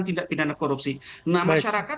tindak pidana korupsi nah masyarakat